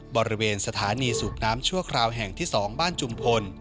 บริเวณสถานีสูบน้ำชั่วคราวแห่งที่๒บ้านจุมพล